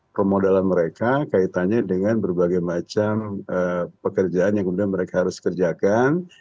permodalan mereka kaitannya dengan berbagai macam pekerjaan yang kemudian mereka harus kerjakan